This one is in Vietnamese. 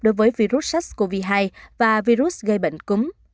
đối với virus sars cov hai và virus gây bệnh cúm